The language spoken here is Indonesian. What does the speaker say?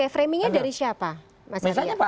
framingnya dari siapa mas arya